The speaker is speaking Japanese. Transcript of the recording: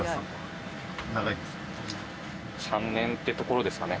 ３年ってところですかね